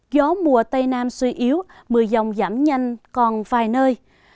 gió mùa tây nam suy yếu mưa dòng giảm nhanh còn vài nơi